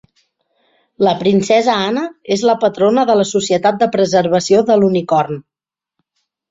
La princesa Anna és la patrona de la Societat de Preservació de l'Unicorn.